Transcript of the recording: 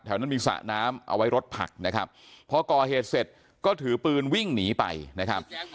นั้นมีสระน้ำเอาไว้รถผักนะครับพอก่อเหตุเสร็จก็ถือปืนวิ่งหนีไปนะครับ